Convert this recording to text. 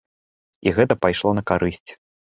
І гэта пайшло на карысць.